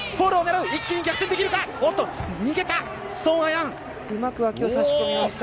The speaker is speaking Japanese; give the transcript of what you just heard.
一気に逆転できるか、逃げた！